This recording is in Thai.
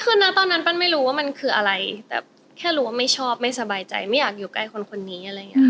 คือนะตอนนั้นปั้นไม่รู้ว่ามันคืออะไรแต่แค่รู้ว่าไม่ชอบไม่สบายใจไม่อยากอยู่ใกล้คนคนนี้อะไรอย่างนี้